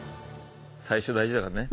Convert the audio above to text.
最初大事だからね。